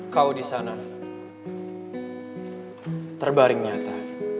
kau disana terbaring nyata